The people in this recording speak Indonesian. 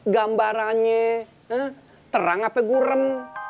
gambarannya terang apa gurem